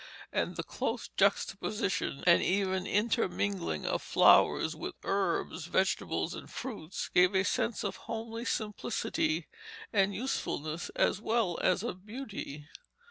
And the close juxtaposition, and even intermingling, of flowers with herbs, vegetables, and fruits gave a sense of homely simplicity and usefulness, as well as of beauty.